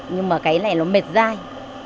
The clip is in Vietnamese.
nhưng mà cái này nó mệt dai